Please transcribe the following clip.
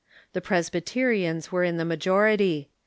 The Presbyterians were in the majority.